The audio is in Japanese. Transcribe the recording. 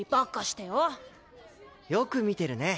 よく見てるね。